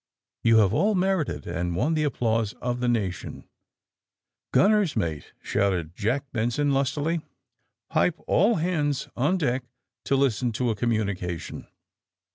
You have all merited and won the applause of the Nation.'' '^Gunners' mate!" shouted Lieutenant Jack Benson lustily. ^'Pipe all hands on deck to listen to a communication."